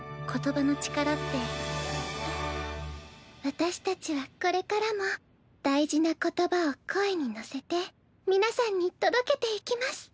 私たちはこれからも大事な言葉を声に乗せて皆さんに届けていきます。